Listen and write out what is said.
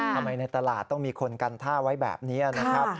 ในตลาดต้องมีคนกันท่าไว้แบบนี้นะครับ